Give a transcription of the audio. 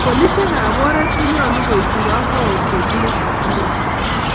polishek ab oret ko nyalu koibchik kapkwaut ketindet ab karishek